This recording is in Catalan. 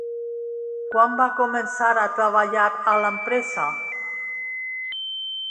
Quan va començar a treballar a l'empresa?